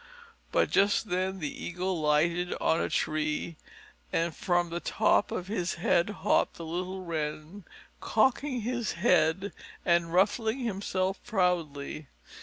But just then the Eagle lighted on a tree, and from the top of his head hopped the little Wren, cocking his head and ruffling himself proudly.